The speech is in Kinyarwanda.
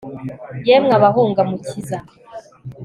yemwe abahunga umukiza